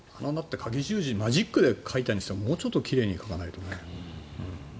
かぎ十字マジックで描いたにしてももうちょっと奇麗に描かないとね。